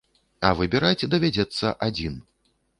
А выбіраць давядзецца адзін.